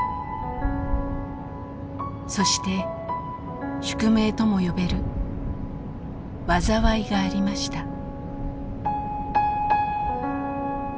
そして宿命とも呼べる災いがありました。